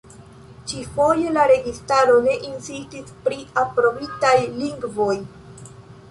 Ĉi-foje la registaro ne insistis pri aprobitaj lingvoj.